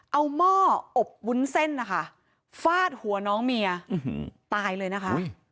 เอาหม้ออบวุ้นเส้นนะคะฟาดหัวน้องเมียตายเลยนะคะ